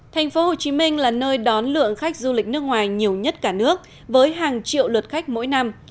thành phố hồ chí minh là nơi đón lượng khách du lịch nước ngoài nhiều nhất cả nước với hàng triệu lượt khách mỗi năm